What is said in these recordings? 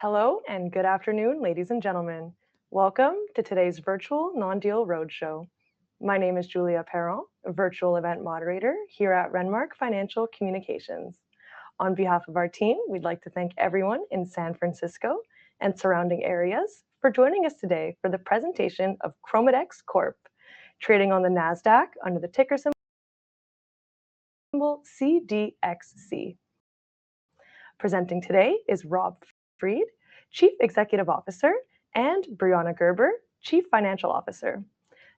Hello, and good afternoon, ladies and gentlemen. Welcome to today's virtual non-deal roadshow. My name is Julia Perron, a virtual event moderator here at Renmark Financial Communications. On behalf of our team, we'd like to thank everyone in San Francisco and surrounding areas for joining us today for the presentation of ChromaDex Corp, trading on the Nasdaq under the ticker symbol CDXC. Presenting today is Rob Fried, Chief Executive Officer, and Brianna Gerber, Chief Financial Officer.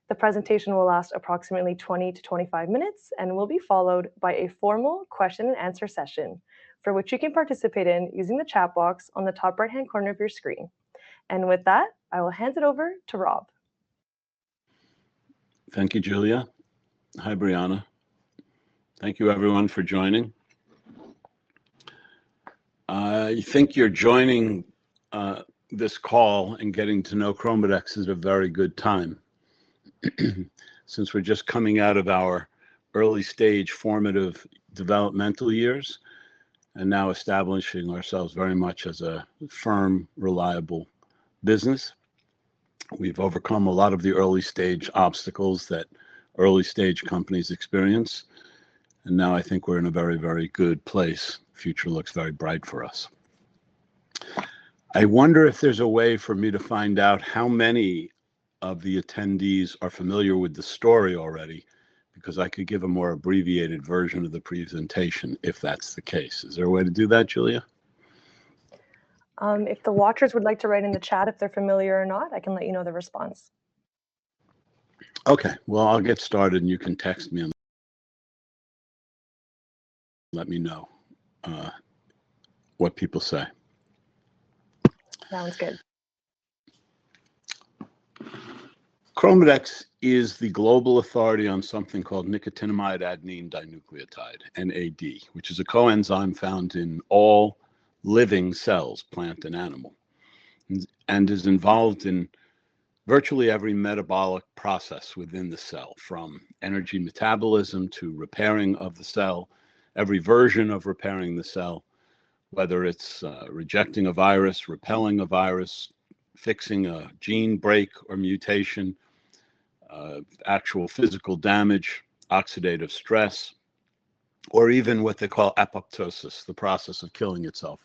The presentation will last approximately 20-25 minutes, and will be followed by a formal question and answer session, for which you can participate in using the chat box on the top right-hand corner of your screen. With that, I will hand it over to Rob. Thank you, Julia. Hi, Brianna. Thank you, everyone, for joining. I think you're joining this call and getting to know ChromaDex at a very good time, since we're just coming out of our early stage, formative, developmental years, and now establishing ourselves very much as a firm, reliable business. We've overcome a lot of the early stage obstacles that early stage companies experience, and now I think we're in a very, very good place. Future looks very bright for us. I wonder if there's a way for me to find out how many of the attendees are familiar with the story already, because I could give a more abbreviated version of the presentation, if that's the case. Is there a way to do that, Julia? If the watchers would like to write in the chat, if they're familiar or not, I can let you know the response. Okay. Well, I'll get started, and you can text me and let me know what people say. Sounds good. ChromaDex is the global authority on something called nicotinamide adenine dinucleotide, NAD, which is a coenzyme found in all living cells, plant and animal, and is involved in virtually every metabolic process within the cell, from energy metabolism to repairing of the cell. Every version of repairing the cell, whether it's rejecting a virus, repelling a virus, fixing a gene break or mutation, actual physical damage, oxidative stress, or even what they call apoptosis, the process of killing itself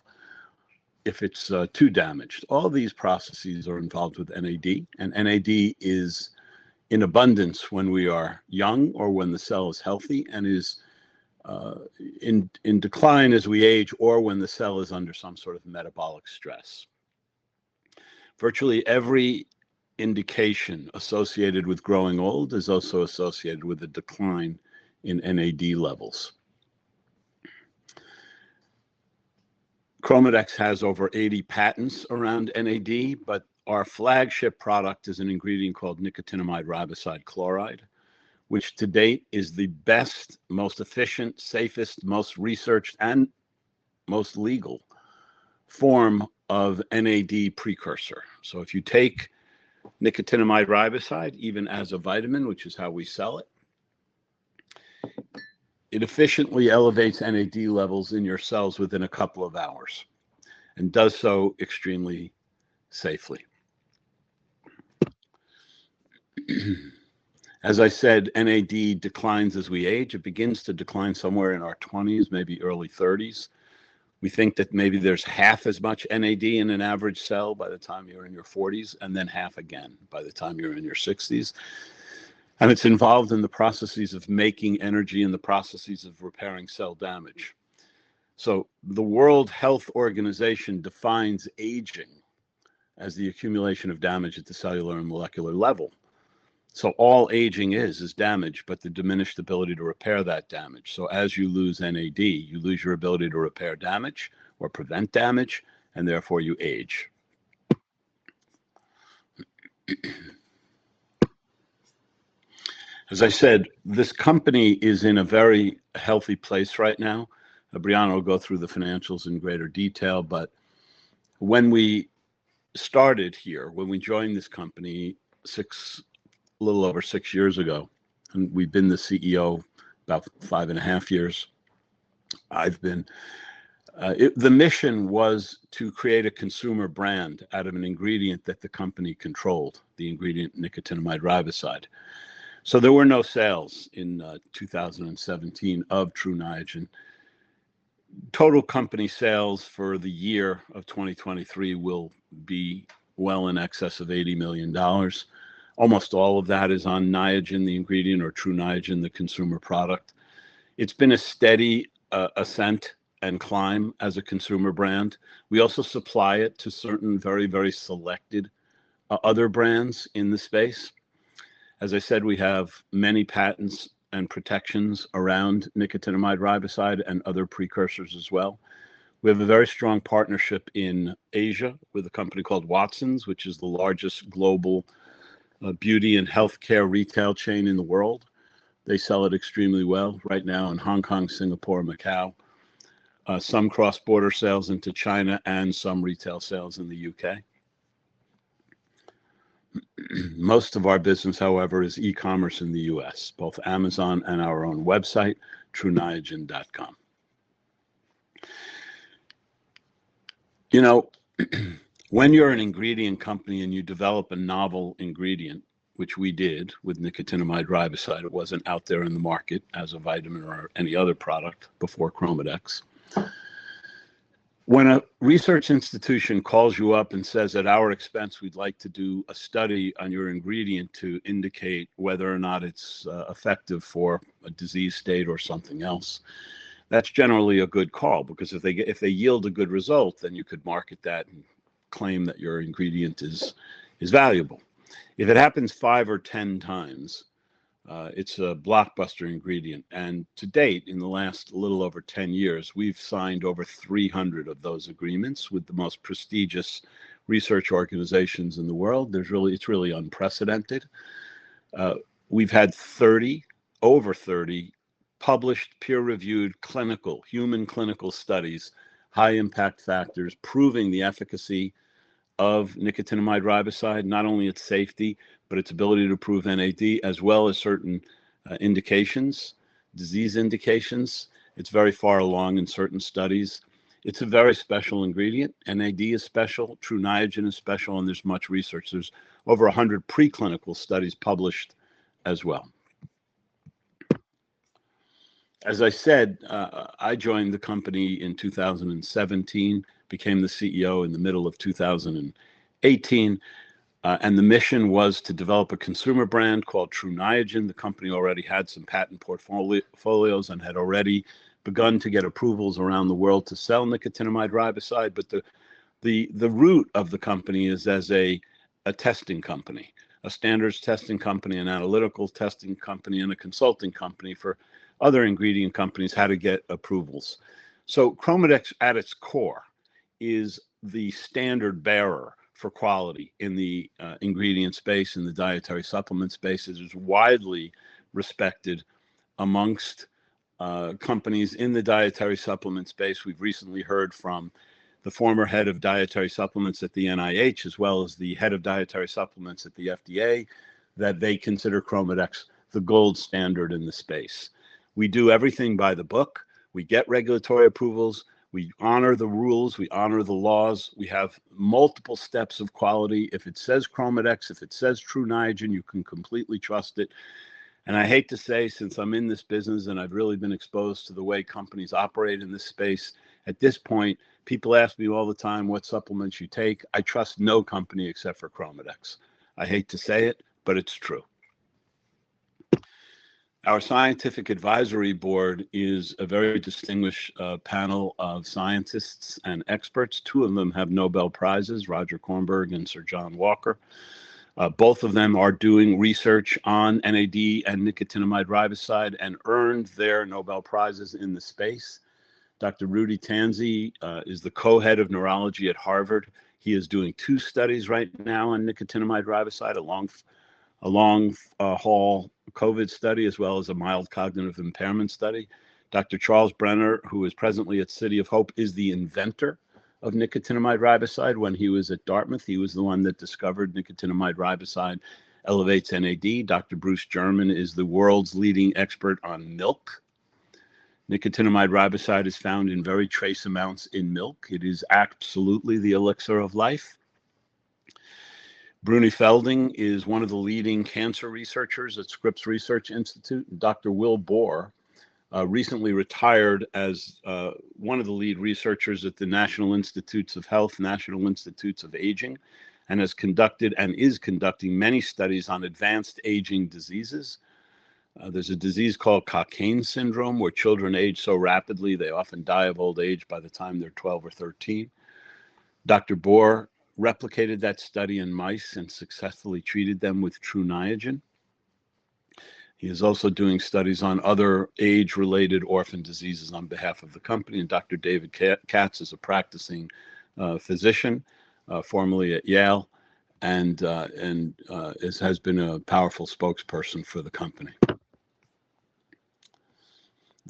if it's too damaged. All these processes are involved with NAD, and NAD is in abundance when we are young or when the cell is healthy, and is in decline as we age, or when the cell is under some sort of metabolic stress. Virtually every indication associated with growing old is also associated with a decline in NAD levels. ChromaDex has over 80 patents around NAD, but our flagship product is an ingredient called nicotinamide riboside chloride, which to date is the best, most efficient, safest, most researched, and most legal form of NAD precursor. So if you take nicotinamide riboside, even as a vitamin, which is how we sell it, it efficiently elevates NAD levels in your cells within a couple of hours, and does so extremely safely. As I said, NAD declines as we age. It begins to decline somewhere in our twenties, maybe early thirties. We think that maybe there's half as much NAD in an average cell by the time you're in your forties, and then half again by the time you're in your sixties. And it's involved in the processes of making energy and the processes of repairing cell damage. So the World Health Organization defines aging as the accumulation of damage at the cellular and molecular level. So all aging is, is damage, but the diminished ability to repair that damage. So as you lose NAD, you lose your ability to repair damage or prevent damage, and therefore you age. As I said, this company is in a very healthy place right now. Brianna will go through the financials in greater detail, but when we started here, when we joined this company little over six years ago, and we've been the CEO about five and a half years, I've been... it, the mission was to create a consumer brand out of an ingredient that the company controlled, the ingredient nicotinamide riboside. So there were no sales in 2017 of Tru Niagen. Total company sales for the year of 2023 will be well in excess of $80 million. Almost all of that is on Niagen, the ingredient, or Tru Niagen, the consumer product. It's been a steady, ascent and climb as a consumer brand. We also supply it to certain very, very selected, other brands in the space. As I said, we have many patents and protections around nicotinamide riboside and other precursors as well. We have a very strong partnership in Asia with a company called Watsons, which is the largest global, beauty and healthcare retail chain in the world. They sell it extremely well right now in Hong Kong, Singapore, Macau. Some cross-border sales into China and some retail sales in the UK.... Most of our business, however, is e-commerce in the US, both Amazon and our own website, truniagen.com. You know, when you're an ingredient company and you develop a novel ingredient, which we did with nicotinamide riboside, it wasn't out there in the market as a vitamin or any other product before ChromaDex. When a research institution calls you up and says, "At our expense, we'd like to do a study on your ingredient to indicate whether or not it's effective for a disease state or something else," that's generally a good call, because if they yield a good result, then you could market that and claim that your ingredient is valuable. If it happens five or 10 times, it's a blockbuster ingredient, and to date, in the last little over 10 years, we've signed over 300 of those agreements with the most prestigious research organizations in the world. There's really. It's really unprecedented. We've had over 30 published, peer-reviewed, clinical, human clinical studies, high impact factors, proving the efficacy of nicotinamide riboside, not only its safety, but its ability to prove NAD, as well as certain indications, disease indications. It's very far along in certain studies. It's a very special ingredient. NAD is special, Tru Niagen is special, and there's much research. There's over 100 preclinical studies published as well. As I said, I joined the company in 2017, became the CEO in the middle of 2018, and the mission was to develop a consumer brand called Tru Niagen. The company already had some patent portfolios and had already begun to get approvals around the world to sell nicotinamide riboside, but the root of the company is as a testing company, a standards testing company, an analytical testing company, and a consulting company for other ingredient companies, how to get approvals. So ChromaDex, at its core, is the standard bearer for quality in the ingredient space, in the dietary supplement space. It is widely respected among companies in the dietary supplement space. We've recently heard from the former head of dietary supplements at the NIH, as well as the head of dietary supplements at the FDA, that they consider ChromaDex the gold standard in the space. We do everything by the book. We get regulatory approvals, we honor the rules, we honor the laws, we have multiple steps of quality. If it says ChromaDex, if it says Tru Niagen, you can completely trust it. And I hate to say, since I'm in this business and I've really been exposed to the way companies operate in this space, at this point, people ask me all the time what supplements you take. I trust no company except for ChromaDex. I hate to say it, but it's true. Our scientific advisory board is a very distinguished panel of scientists and experts. Two of them have Nobel Prizes, Roger Kornberg and Sir John Walker. Both of them are doing research on NAD and nicotinamide riboside and earned their Nobel Prizes in the space. Dr. Rudy Tanzi is the co-head of neurology at Harvard. He is doing two studies right now on nicotinamide riboside, a long-haul COVID study, as well as a mild cognitive impairment study. Dr. Charles Brenner, who is presently at City of Hope, is the inventor of nicotinamide riboside. When he was at Dartmouth, he was the one that discovered nicotinamide riboside elevates NAD. Dr. Bruce German is the world's leading expert on milk. Nicotinamide riboside is found in very trace amounts in milk. It is absolutely the elixir of life. Brunie Felding is one of the leading cancer researchers at Scripps Research Institute. Dr. Vilhelm Bohr recently retired as one of the lead researchers at the National Institutes of Health, National Institute on Aging, and has conducted and is conducting many studies on advanced aging diseases. There's a disease called Cockayne syndrome, where children age so rapidly, they often die of old age by the time they're 12 or 13. Dr. Bohr replicated that study in mice and successfully treated them with Tru Niagen. He is also doing studies on other age-related orphan diseases on behalf of the company. Dr. David Katz is a practicing physician, formerly at Yale, and has been a powerful spokesperson for the company.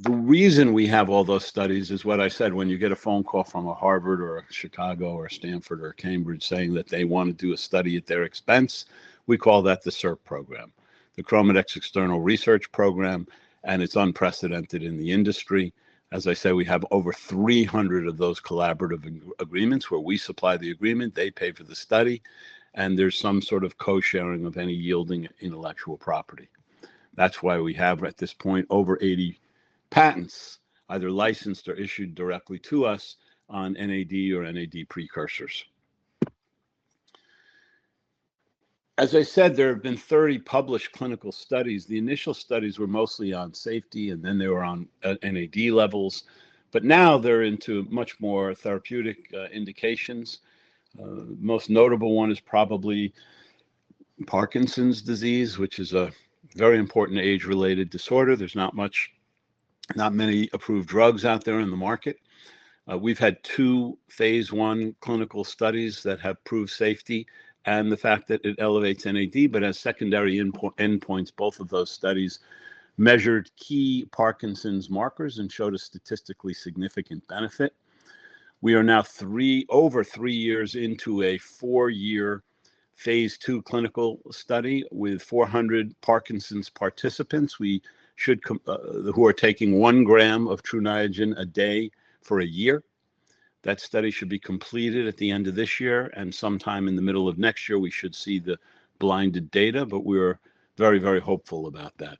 The reason we have all those studies is what I said, when you get a phone call from a Harvard or a Chicago or Stanford or Cambridge, saying that they wanna do a study at their expense, we call that the CERP program, the ChromaDex External Research Program, and it's unprecedented in the industry. As I said, we have over 300 of those collaborative agreements where we supply the ingredient, they pay for the study, and there's some sort of co-sharing of any yielding intellectual property. That's why we have, at this point, over 80 patents, either licensed or issued directly to us on NAD or NAD precursors. As I said, there have been 30 published clinical studies. The initial studies were mostly on safety, and then they were on NAD levels, but now they're into much more therapeutic indications. Most notable one is probably Parkinson's disease, which is a very important age-related disorder. There's not many approved drugs out there in the market. We've had two phase I clinical studies that have proved safety and the fact that it elevates NAD, but as secondary endpoints, both of those studies measured key Parkinson's markers and showed a statistically significant benefit. We are now three, over three years into a four-year phase II clinical study with 400 Parkinson's participants. We should who are taking one gram of Tru Niagen a day for a year. That study should be completed at the end of this year, and sometime in the middle of next year, we should see the blinded data, but we're very, very hopeful about that.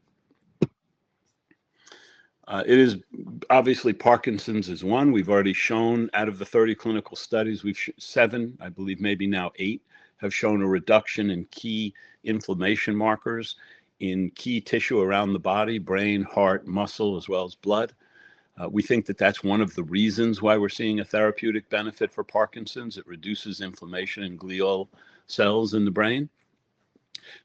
It is obviously Parkinson's is one. We've already shown out of the 30 clinical studies, we've seven, I believe maybe now eight, have shown a reduction in key inflammation markers in key tissue around the body, brain, heart, muscle, as well as blood. We think that that's one of the reasons why we're seeing a therapeutic benefit for Parkinson's. It reduces inflammation in glial cells in the brain.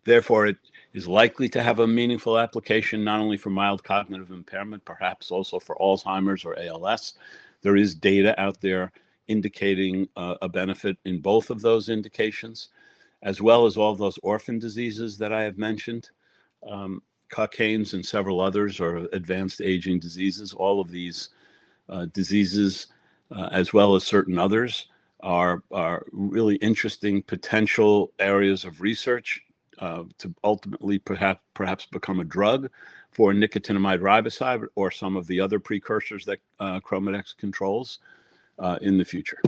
Therefore, it is likely to have a meaningful application, not only for mild cognitive impairment, perhaps also for Alzheimer's or ALS. There is data out there indicating a benefit in both of those indications, as well as all those orphan diseases that I have mentioned. Cockayne's and several others are advanced aging diseases. All of these diseases, as well as certain others, are really interesting potential areas of research, to ultimately perhaps become a drug for nicotinamide riboside or some of the other precursors that ChromaDex controls in the future.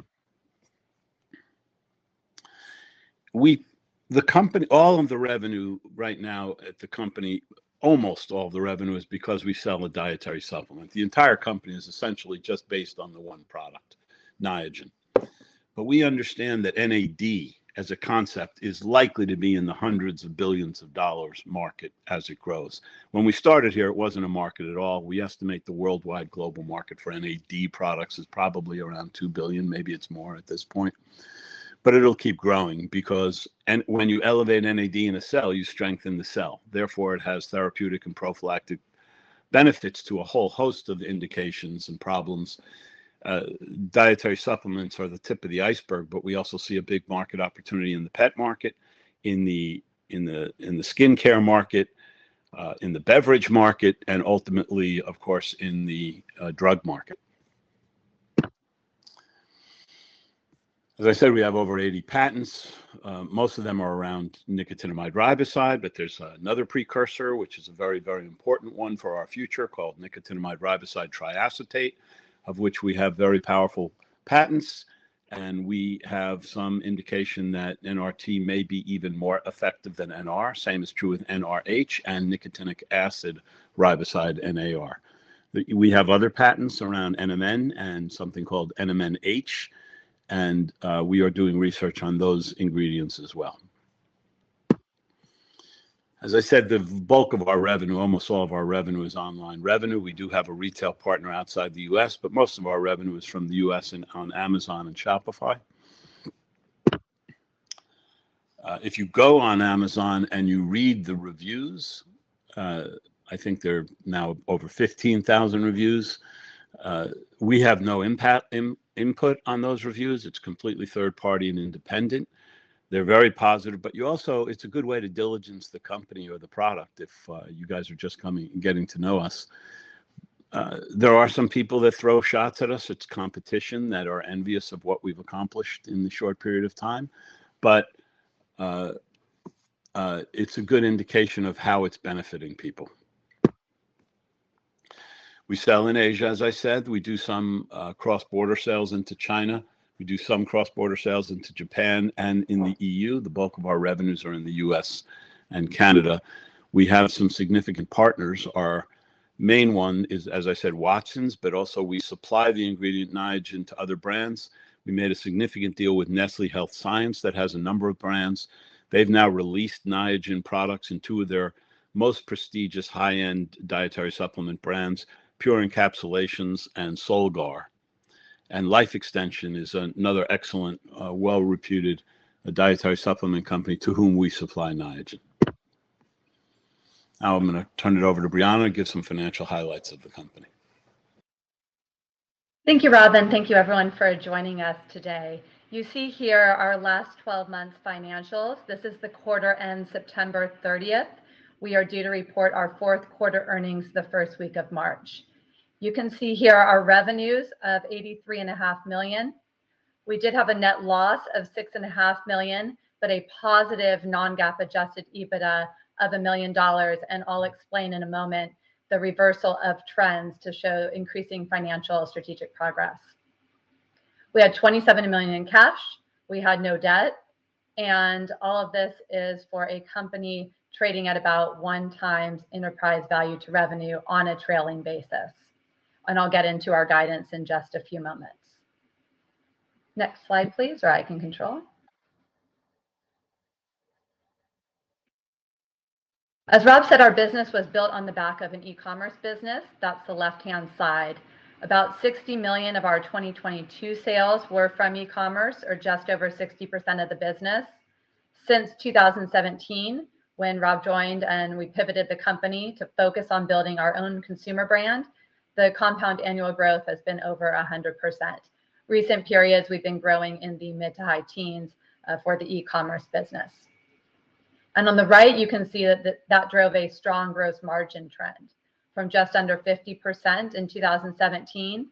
We-- The company-- All of the revenue right now at the company, almost all of the revenue, is because we sell a dietary supplement. The entire company is essentially just based on the one product, Niagen. But we understand that NAD as a concept is likely to be in the hundreds of billions of dollars market as it grows. When we started here, it wasn't a market at all. We estimate the worldwide global market for NAD products is probably around $2 billion, maybe it's more at this point. But it'll keep growing because and when you elevate NAD in a cell, you strengthen the cell. Therefore, it has therapeutic and prophylactic benefits to a whole host of indications and problems. Dietary supplements are the tip of the iceberg, but we also see a big market opportunity in the pet market, in the skincare market, in the beverage market, and ultimately, of course, in the drug market. As I said, we have over 80 patents. Most of them are around nicotinamide riboside, but there's another precursor, which is a very, very important one for our future, called nicotinamide riboside triacetate, of which we have very powerful patents, and we have some indication that NRT may be even more effective than NR. Same is true with NRH and nicotinic acid riboside, NAR. We have other patents around NMN and something called NMNH, and we are doing research on those ingredients as well. As I said, the bulk of our revenue, almost all of our revenue, is online revenue. We do have a retail partner outside the U.S., but most of our revenue is from the U.S. and on Amazon and Shopify. If you go on Amazon and you read the reviews, I think there are now over 15,000 reviews. We have no impact in input on those reviews. It's completely third party and independent. They're very positive, but you also, it's a good way to diligence the company or the product if you guys are just coming, getting to know us. There are some people that throw shots at us. It's competition that are envious of what we've accomplished in the short period of time, but it's a good indication of how it's benefiting people. We sell in Asia, as I said. We do some cross-border sales into China. We do some cross-border sales into Japan and in the E.U. The bulk of our revenues are in the U.S. and Canada. We have some significant partners. Our main one is, as I said, Watsons, but also we supply the ingredient Niagen to other brands. We made a significant deal with Nestlé Health Science that has a number of brands. They've now released Niagen products in two of their most prestigious high-end dietary supplement brands, Pure Encapsulations and Solgar. Life Extension is another excellent, well-reputed dietary supplement company to whom we supply Niagen. Now I'm going to turn it over to Brianna to give some financial highlights of the company. Thank you, Rob, and thank you, everyone, for joining us today. You see here our last 12 months financials. This is the quarter end, September thirtieth. We are due to report our fourth quarter earnings the first week of March. You can see here our revenues of $83.5 million. We did have a net loss of $6.5 million, but a positive non-GAAP adjusted EBITDA of $1 million, and I'll explain in a moment the reversal of trends to show increasing financial strategic progress. We had $27 million in cash, we had no debt, and all of this is for a company trading at about 1x enterprise value to revenue on a trailing basis. I'll get into our guidance in just a few moments. Next slide, please, or I can control. As Rob said, our business was built on the back of an e-commerce business. That's the left-hand side. About $60 million of our 2022 sales were from e-commerce or just over 60% of the business. Since 2017, when Rob joined and we pivoted the company to focus on building our own consumer brand, the compound annual growth has been over 100%. Recent periods, we've been growing in the mid- to high teens for the e-commerce business. And on the right, you can see that, that, that drove a strong gross margin trend from just under 50% in 2017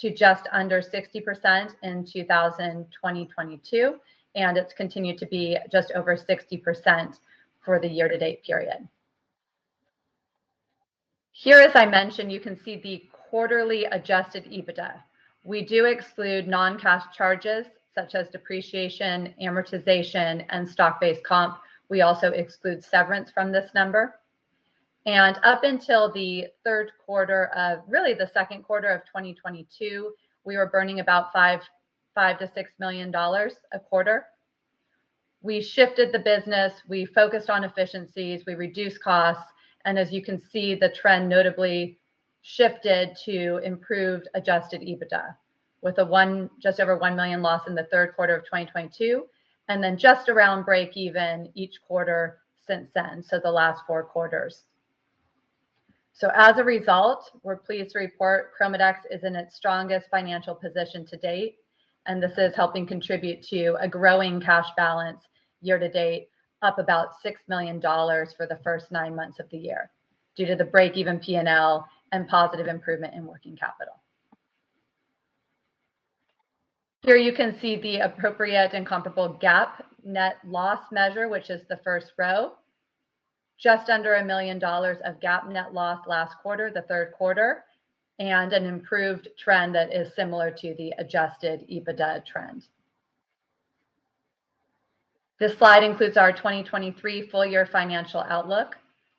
to just under 60% in 2022, and it's continued to be just over 60% for the year-to-date period. Here, as I mentioned, you can see the quarterly Adjusted EBITDA. We do exclude non-cash charges such as depreciation, amortization, and stock-based comp. We also exclude severance from this number. Up until the third quarter of, really the second quarter of 2022, we were burning about $5-$6 million a quarter. We shifted the business, we focused on efficiencies, we reduced costs, and as you can see, the trend notably shifted to improved Adjusted EBITDA, with a just over $1 million loss in the third quarter of 2022, and then just around breakeven each quarter since then, so the last four quarters. As a result, we're pleased to report ChromaDex is in its strongest financial position to date, and this is helping contribute to a growing cash balance year to date, up about $6 million for the first nine months of the year, due to the breakeven P&L and positive improvement in working capital. Here you can see the appropriate and comparable GAAP net loss measure, which is the first row. Just under $1 million of GAAP net loss last quarter, the third quarter, and an improved trend that is similar to the Adjusted EBITDA trend. This slide includes our 2023 full year financial outlook.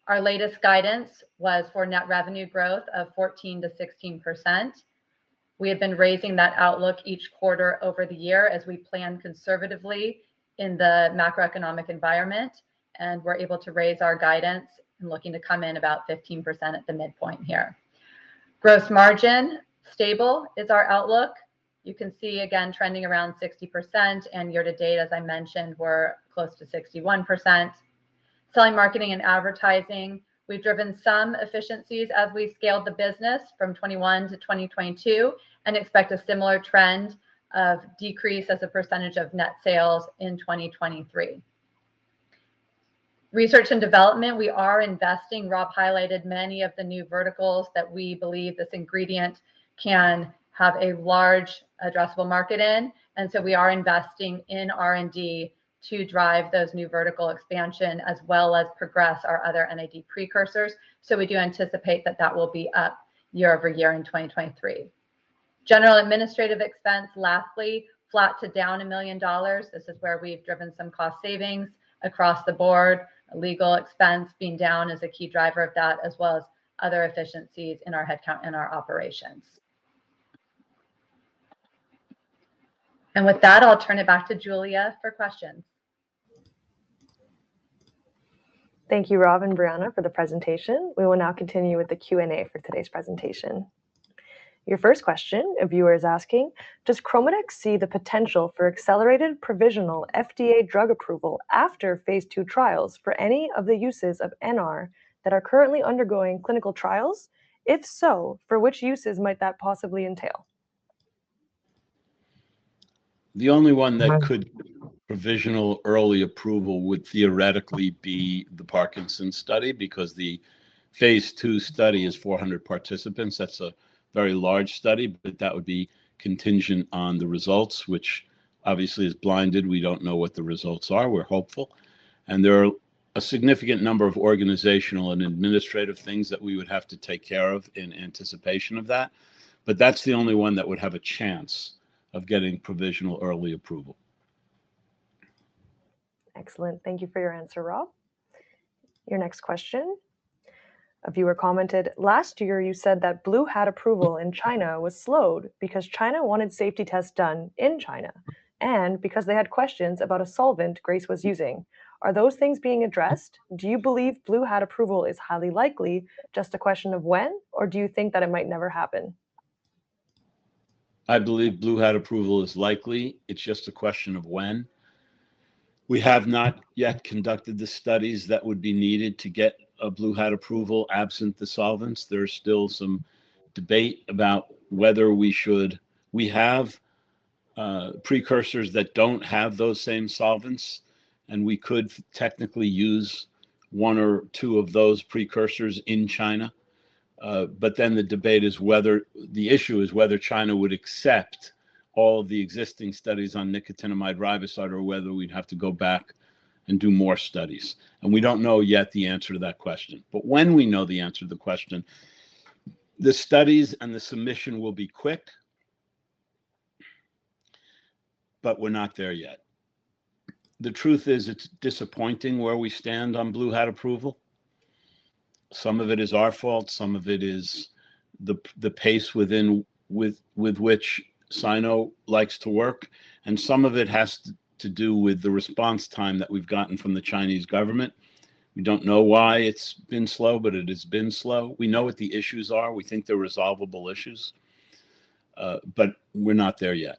Our latest guidance was for net revenue growth of 14%-16%. We have been raising that outlook each quarter over the year as we plan conservatively in the macroeconomic environment, and we're able to raise our guidance and looking to come in about 15% at the midpoint here. Gross margin, stable is our outlook. You can see again, trending around 60%, and year to date, as I mentioned, we're close to 61%. Selling, marketing, and advertising, we've driven some efficiencies as we scaled the business from 2021 to 2022, and expect a similar trend of decrease as a percentage of net sales in 2023. Research and development, we are investing. Rob highlighted many of the new verticals that we believe this ingredient can have a large addressable market in, and so we are investing in R&D to drive those new vertical expansion, as well as progress our other NAD precursors. So we do anticipate that that will be up year-over-year in 2023. General administrative expense, lastly, flat to down $1 million. This is where we've driven some cost savings across the board. Legal expense being down is a key driver of that, as well as other efficiencies in our headcount and our operations. And with that, I'll turn it back to Julia for questions. Thank you, Rob and Brianna, for the presentation. We will now continue with the Q&A for today's presentation. Your first question, a viewer is asking: Does ChromaDex see the potential for accelerated provisional FDA drug approval after phase II trials for any of the uses of NR that are currently undergoing clinical trials? If so, for which uses might that possibly entail? The only one that could provisional early approval would theoretically be the Parkinson's study, because the phase II study is 400 participants. That's a very large study, but that would be contingent on the results, which obviously is blinded. We don't know what the results are. We're hopeful. There are a significant number of organizational and administrative things that we would have to take care of in anticipation of that, but that's the only one that would have a chance of getting provisional early approval. Excellent. Thank you for your answer, Rob. Your next question. A viewer commented: Last year, you said that Blue Hat approval in China was slowed because China wanted safety tests done in China and because they had questions about a solvent Grace was using. Are those things being addressed? Do you believe Blue Hat approval is highly likely, just a question of when? Or do you think that it might never happen? I believe Blue Hat approval is likely. It's just a question of when. We have not yet conducted the studies that would be needed to get a Blue Hat approval, absent the solvents. There is still some debate about whether we should. We have precursors that don't have those same solvents, and we could technically use one or two of those precursors in China. But then the debate is whether the issue is whether China would accept all the existing studies on nicotinamide riboside or whether we'd have to go back and do more studies. And we don't know yet the answer to that question. But when we know the answer to the question, the studies and the submission will be quick, but we're not there yet. The truth is, it's disappointing where we stand on Blue Hat approval. Some of it is our fault, some of it is the pace within which Sino likes to work, and some of it has to do with the response time that we've gotten from the Chinese government. We don't know why it's been slow, but it has been slow. We know what the issues are. We think they're resolvable issues, but we're not there yet.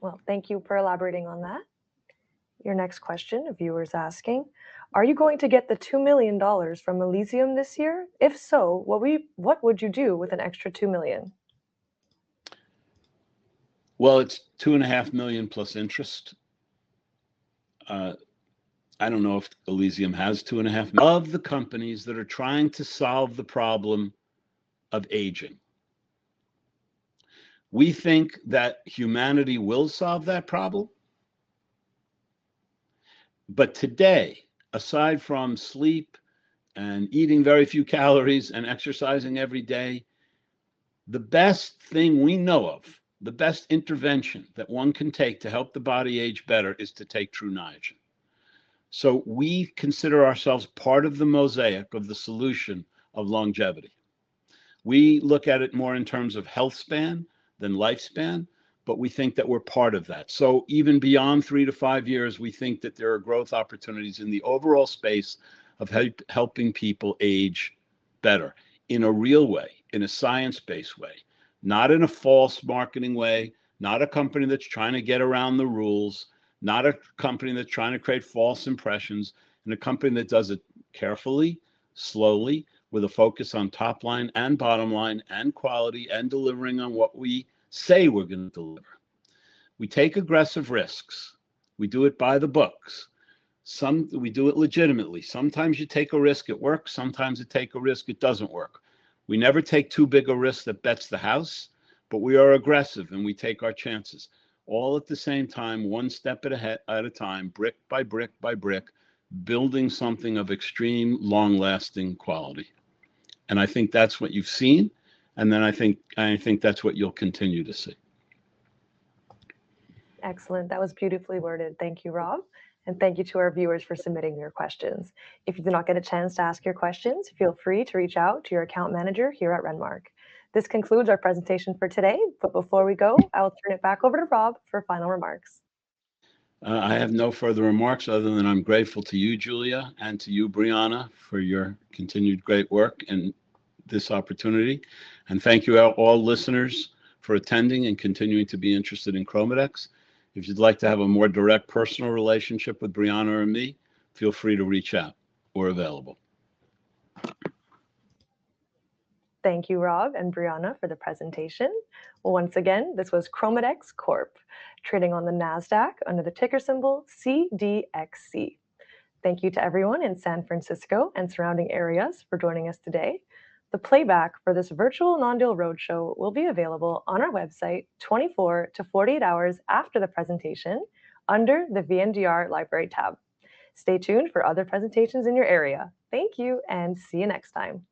Well, thank you for elaborating on that. Your next question, a viewer is asking: Are you going to get the $2 million from Elysium this year? If so, what would you do with an extra $2 million? ... Well, it's $2.5 million plus interest. I don't know if Elysium has 2.5- of the companies that are trying to solve the problem of aging. We think that humanity will solve that problem. But today, aside from sleep and eating very few calories and exercising every day, the best thing we know of, the best intervention that one can take to help the body age better, is to take Tru Niagen. So we consider ourselves part of the mosaic of the solution of longevity. We look at it more in terms of health span than lifespan, but we think that we're part of that. So even beyond three-five years, we think that there are growth opportunities in the overall space of helping people age better in a real way, in a science-based way. Not in a false marketing way, not a company that's trying to get around the rules, not a company that's trying to create false impressions, and a company that does it carefully, slowly, with a focus on top line and bottom line and quality and delivering on what we say we're gonna deliver. We take aggressive risks. We do it by the books. We do it legitimately. Sometimes you take a risk, it works, sometimes you take a risk, it doesn't work. We never take too big a risk that bets the house, but we are aggressive, and we take our chances, all at the same time, one step at a time, brick by brick by brick, building something of extreme, long-lasting quality. And I think that's what you've seen, and then I think, I think that's what you'll continue to see. Excellent. That was beautifully worded. Thank you, Rob, and thank you to our viewers for submitting your questions. If you did not get a chance to ask your questions, feel free to reach out to your account manager here at Renmark. This concludes our presentation for today, but before we go, I will turn it back over to Rob for final remarks. I have no further remarks other than I'm grateful to you, Julia, and to you, Brianna, for your continued great work and this opportunity. And thank you, our all listeners, for attending and continuing to be interested in ChromaDex. If you'd like to have a more direct personal relationship with Brianna or me, feel free to reach out. We're available. Thank you, Rob and Brianna, for the presentation. Well, once again, this was ChromaDex Corp., trading on the NASDAQ under the ticker symbol CDXC. Thank you to everyone in San Francisco and surrounding areas for joining us today. The playback for this virtual non-deal roadshow will be available on our website, 24-48 hours after the presentation under the VMDR Library tab. Stay tuned for other presentations in your area. Thank you, and see you next time!